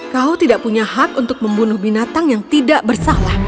kau tidak punya hak untuk membunuh binatang yang tidak bersalah